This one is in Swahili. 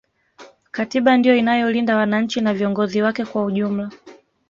katiba ndiyo inayolinda wananchi na viongozi wake kwa ujumla